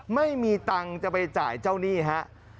ไม่มีตังค์จะไปจ่ายเจ้าหนี้ฮะ